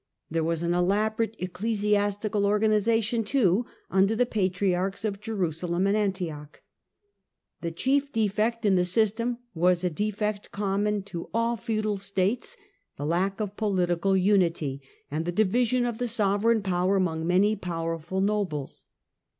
There was an elaborate ecclesiastical organization, too, under the patri archs of Jerusalem and Antioch. The chief defect in the system was a defect common to all feudal states, the lack of political unity, and the division of the sovereign power among many powerful nobles.